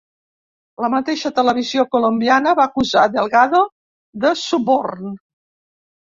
La mateixa televisió colombiana va acusar Delgado de suborn.